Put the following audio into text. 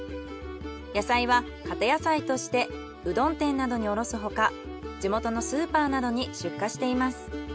野菜はかて野菜としてうどん店などに卸す他地元のスーパーなどに出荷しています。